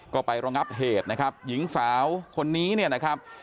ก็ไประงับเหตุนะครับหญิงสาวคนนี้เนี่ยนะครับ